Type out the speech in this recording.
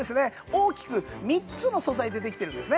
大きく３つの素材でできてるんですね